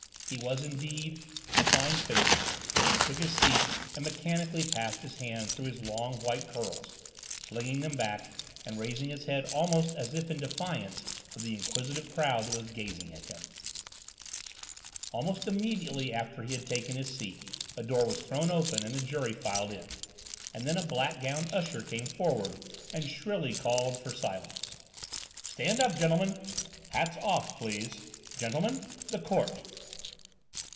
He was, indeed, a fine figure as he took his seat and mechanically passed his hand through his long white curls, flinging them back and raising his head almost as if in defiance of the inquisitive crowd that was gazing at him. Almost immediately after he had taken his seat a door was thrown open and the jury filed in, and then a black gowned usher came forward and shrilly called for silence. "Stand up, gentlemen! Hats off, please! Gentlemen, the Court!"